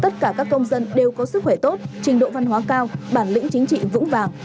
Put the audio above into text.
tất cả các công dân đều có sức khỏe tốt trình độ văn hóa cao bản lĩnh chính trị vững vàng